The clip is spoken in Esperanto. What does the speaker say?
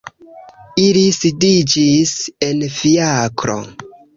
Ili sidiĝis en fiakro.